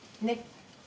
ねっ？